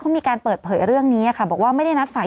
เขามีการเปิดเผยเรื่องนี้ค่ะ